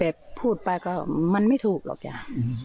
แต่พูดไปก็มันไม่ถูกหรอกจ้ะ